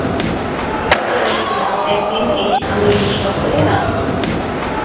আমি ঠিক করে নিয়েছিলাম, একদিন আমি এই শহরে রাজ করবো।